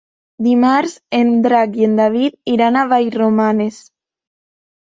Dimarts en Drac i en David iran a Vallromanes.